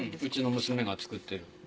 うちの娘が作ってる。